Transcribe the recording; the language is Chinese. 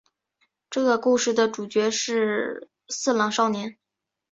这个故事的主角是四郎少年。